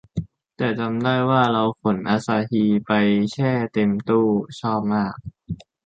แต่จำได้ว่าเราขนอาซาฮีไปแช่เต็มตู้ชอบมาก